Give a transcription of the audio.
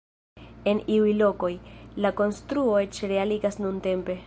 En iuj lokoj, la konstruo eĉ realigas nuntempe.